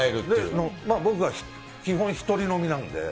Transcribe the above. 僕は基本、一人飲みなので。